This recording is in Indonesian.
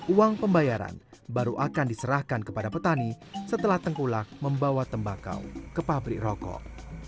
uang pembayaran baru akan diserahkan kepada petani setelah tengkulak membawa tembakau ke pabrik rokok